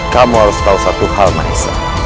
kamu harus tahu satu hal maisa